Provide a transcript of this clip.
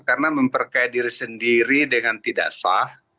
karena memperkaya diri sendiri dengan tidak sah